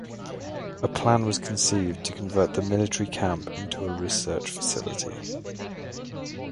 A plan was conceived to convert the military camp into a research facility.